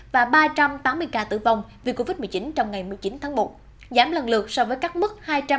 và ba trăm tám mươi ca tử vong vì covid một mươi chín trong ngày một mươi chín tháng một giảm lần lượt so với các mức